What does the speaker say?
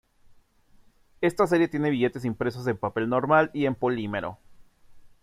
Esta serie tiene billetes impresos en papel normal y en polímero.